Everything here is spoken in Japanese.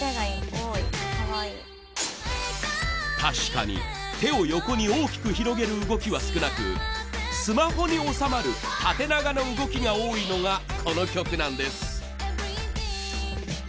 確かに手を横に大きく広げる動きは少なくスマホに収まる縦長の動きが多いのがこの曲なんです。